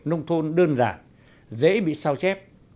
nông thôn đơn giản dễ bị sao chép